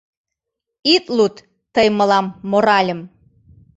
Ит луд тый мылам моральым!